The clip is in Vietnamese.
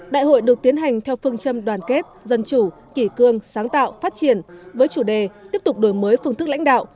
đại hội được tiến hành theo phương châm đoàn kết dân chủ kỷ cương sáng tạo phát triển với chủ đề tiếp tục đổi mới phương thức lãnh đạo